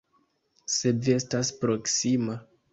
Se vi estas proksima.